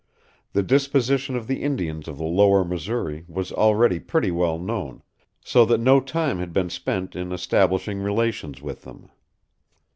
The disposition of the Indians of the Lower Missouri was already pretty well known, so that no time had been spent in establishing relations with them.